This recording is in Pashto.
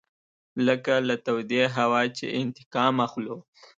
لکه له تودې هوا چې انتقام اخلو.